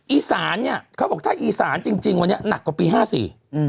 อีสานเขาบอกถ้าอีสานจริงวันนี้หนักกว่าปี๕๔